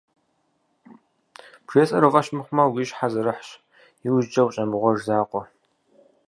Бжесӏэр уи фӏэщ мыхъумэ, уи щхьэ зэрыхьщ, иужькӏэ ущӏемыгъуэж закъуэ.